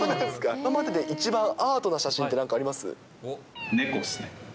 今までで一番アートな写真って何かあります？